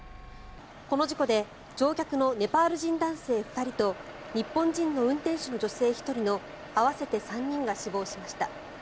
この事故で乗客のネパール人男性２人と日本人の運転手の女性１人の合わせて３人が死亡しました。